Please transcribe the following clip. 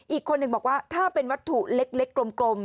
อีกคนหนึ่งบอกว่าถ้าเป็นวัตถุเล็กกลม